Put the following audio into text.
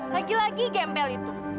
lagi lagi gempel itu